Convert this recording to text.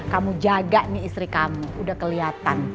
kamu jaga nih istri kamu udah kelihatan